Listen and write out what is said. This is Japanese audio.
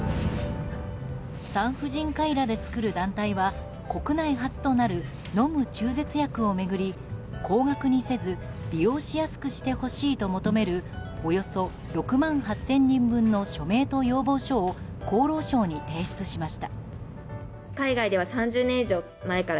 産婦人科医らで作る団体は国内初となる、飲む中絶薬を巡り高額にせず利用しやすくしてほしいと求めるおよそ６万８０００人分の署名と要望書を厚労省に提出しました。